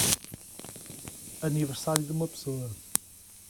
Aniversário de uma pessoa